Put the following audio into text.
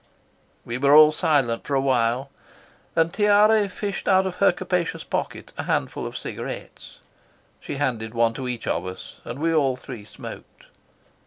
We were all silent for a while, and Tiare fished out of her capacious pocket a handful of cigarettes. She handed one to each of us, and we all three smoked.